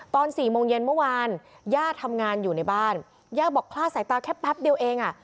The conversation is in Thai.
สี่โมงเย็นเมื่อวานย่าทำงานอยู่ในบ้านย่าบอกคลาดสายตาแค่แป๊บเดียวเองอ่ะ